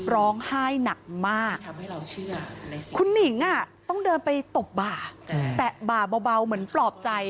ร้องไห้หนักมากคุณหนิงต้องเดินไปตบบ่าแตะบ่าเบาเหมือนปลอบใจ